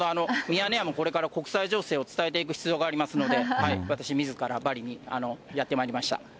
ミヤネ屋もこれから国際情勢を伝えていく必要がありますので、私、みずからバリにやってまいりました。